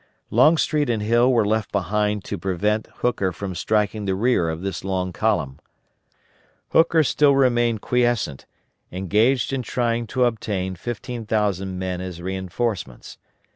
Longstreet and Hill were left behind to prevent Hooker from striking the rear of this long column. Hooker still remained quiescent, engaged in trying to obtain 15,000 men as reinforcements.